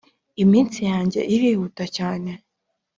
Iminsi yanjye irihuta cyane